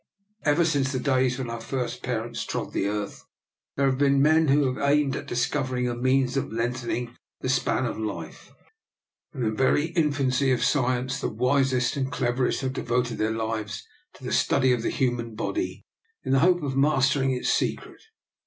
" Ever since the days when our first parents trod the earth there have been men who have aimed at discovering a means of lengthening the span of life. From the very infancy of science, the wisest and cleverest have devoted their lives to the study of the human body, in the hope of mastering its secret.